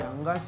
ya enggak sih